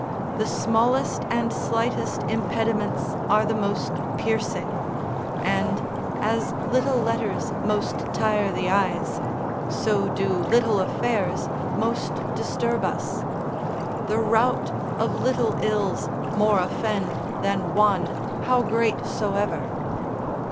The smallest and slightest impediments are the most piercing: and as little letters most tire the eyes, so do little affairs most disturb us. The rout of little ills more offend than one, how great soever.